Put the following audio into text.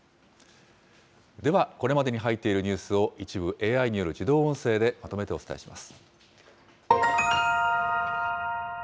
では、これまでに入っているニュースを一部ＡＩによる自動音声でまとめてお伝えします。